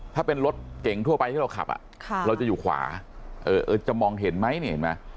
ถ้าเป็นรถเก่งทั่วไปที่เราขับอ่ะค่ะเราจะอยู่ขวาเออเอิ้นจะมองเห็นไหมเนี่ยเห็นไหม